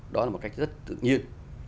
đó là một cách rất tự nhiên